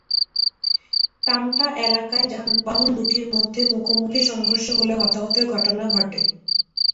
টামটা এলাকায় যানবাহন দুটির মধ্যে মুখোমুখি সংঘর্ষ হলে হতাহতের ঘটনা ঘটে।